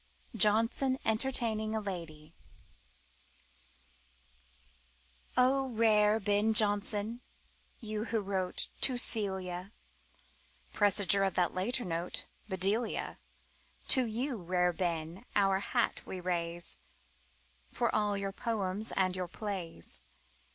JONSON O rare Ben Jonson, you who wrote "To Celia," Presager of that later note, "Bedelia," To you, rare Ben, our hat we raise For all your poems and your plays.